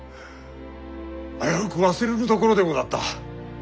危うく忘れるところでござった。